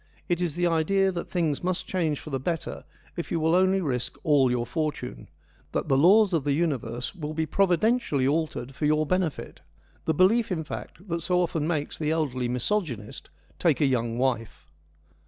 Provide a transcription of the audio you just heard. It is the idea that things must change for the better if you will only risk all your fortune : that the laws THE IONIANS AND HESIOD 27 of the universe will be providentially altered for your benefit ; the belief, in fact, that so often makes the elderly misogynist take a young|wife.